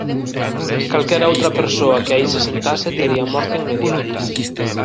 Calquera outra persoa que aí se sentase tería morte inmediata.